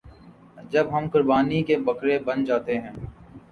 جب ہم قربانی کے بکرے بن جاتے ہیں۔